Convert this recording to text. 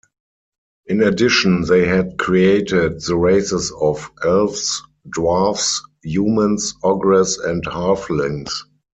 In addition they had created the races of Elves, Dwarfs, Humans, Ogres and Halflings.